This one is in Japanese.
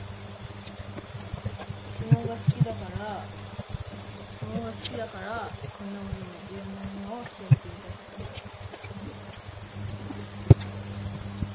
相撲が好きだから相撲が好きだからいろんなものを調べてみたかったからです。